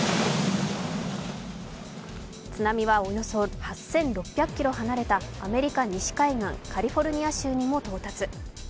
津波は、およそ８６００ｋｍ離れたアメリカ西海岸カリフォルニア州にも到達。